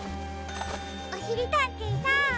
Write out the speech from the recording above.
おしりたんていさん。